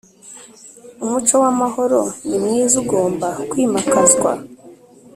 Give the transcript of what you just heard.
Umuco w’amahoro ni mwiza ugomba kwimakazwa